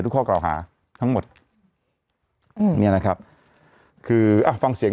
ข้อกล่าวหาทั้งหมดอืมเนี่ยนะครับคืออ่ะฟังเสียง